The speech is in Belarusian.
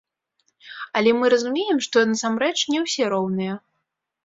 Але мы разумеем, што насамрэч не ўсе роўныя.